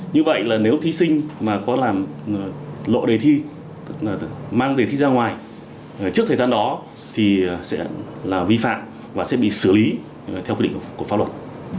như vậy là nếu thí sinh mà có làm lộ đề thi tức là mang đề thi ra ngoài trước thời gian đó thì sẽ là vi phạm và sẽ bị xử lý theo quy định của pháp luật